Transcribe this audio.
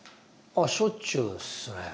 あっしょっちゅうっすね。